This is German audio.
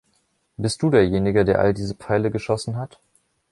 Bist du derjenige, der all diese Pfeile geschossen hat?